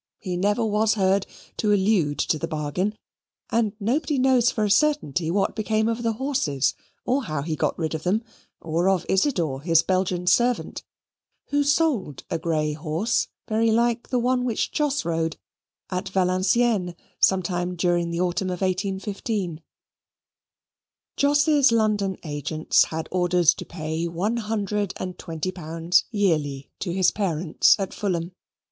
He never was heard to allude to the bargain, and nobody knows for a certainty what became of the horses, or how he got rid of them, or of Isidor, his Belgian servant, who sold a grey horse, very like the one which Jos rode, at Valenciennes sometime during the autumn of 1815. Jos's London agents had orders to pay one hundred and twenty pounds yearly to his parents at Fulham.